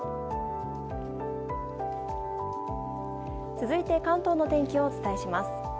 続いて関東の天気をお伝えします。